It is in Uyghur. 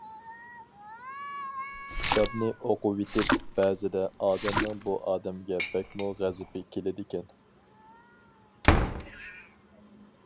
كىتابنى ئوقۇۋېتىپ، بەزىدە ئادەمنىڭ بۇ ئادەمگە بەكمۇ غەزىپى كېلىدىكەن.